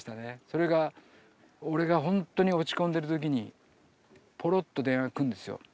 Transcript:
それが俺がほんとに落ち込んでる時にポロッと電話来るんですよ。